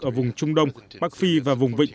ở vùng trung đông bắc phi và vùng vịnh